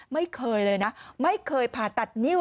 ไม่เคยเลยนะไม่เคยผ่าตัดนิ้ว